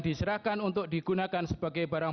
diserahkan untuk digunakan sebagai barang